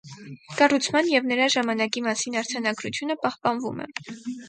Կառուցման և նրաժամանակի մասին արձանագրությունը պահպանվում է։